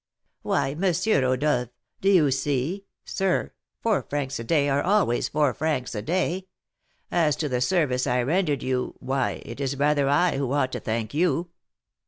"Why, M. Rodolph, do you see, sir, four francs a day are always four francs a day. As to the service I rendered you, why, it is rather I who ought to thank you."